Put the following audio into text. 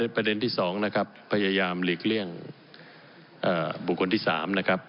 ประเด็นที่๒นะครับพยายามหลีกเลี่ยงบุคคลที่๓นะครับ